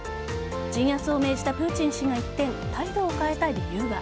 鎮圧を命じたプーチン氏が一転態度を変えた理由は。